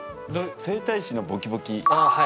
「整体師のボキボキ」